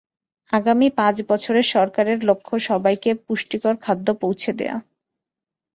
আগামী পাঁচ বছরে সরকারের লক্ষ্য দেশের সবাইকে পুষ্টিকর খাদ্য পৌঁছে দেওয়া।